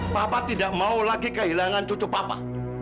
papa tidak mau lagi kehilangan cucu papa